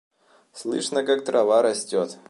Слышно как трава растет.